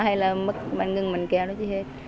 hay là mất bánh ngừng bánh kẹo đó chỉ hết